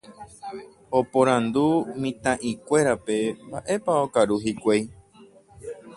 Oporandu mitã'ikúerape mba'épa okaru hikuái.